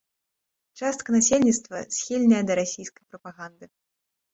Частка насельніцтва схільная да расійскай прапаганды.